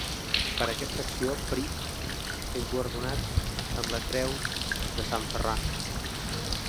Per aquesta acció Prim és guardonat amb la Gran Creu de Sant Ferran.